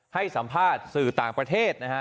ให้สัมภาษณ์สื่อต่างประเทศนะฮะ